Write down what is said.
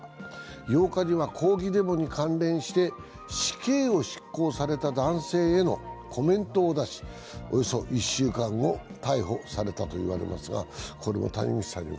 ８日には抗議デモに関連して死刑を執行された男性へのコメントを出し、およそ１週間後、逮捕されたということです。